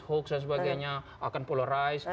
hoax dan sebagainya akan polarize